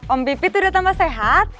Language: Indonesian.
om pipit udah tambah sehat